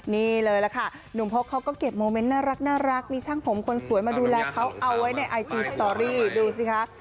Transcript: นี่เลยล่ะค่ะหนุ่มพกเขาก็เก็บโมเมนต์น่ารักมีช่างผมคนสวยมาดูแลเขาเอาไว้ในไอจีสตอรี่ดูสิคะ